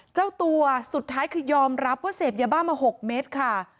เจ้าตัวสุดท้ายคือยอมรับว่าเสพยาบ้ามา๖เมตรค่ะ